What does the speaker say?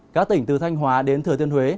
các tỉnh từ thanh hóa đến thừa tiên huế